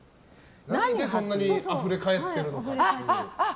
何でそんなにあふれ返ってるのか。